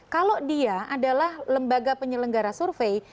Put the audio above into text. kalau dia adalah lembaga penyelenggara survei